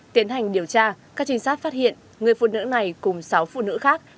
tiến hành điều tra các trinh sát phát hiện người phụ nữ này cùng sáu phụ nữ khác